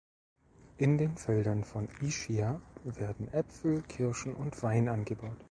In den Feldern von Ischia werden Äpfel, Kirschen und Wein angebaut.